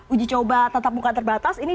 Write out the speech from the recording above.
uji coba tetap muka terbatas ini